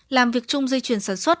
làm việc chung dây chuyển sản xuất